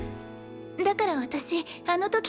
だから私あの時から。